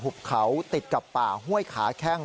บเขาติดกับป่าห้วยขาแข้ง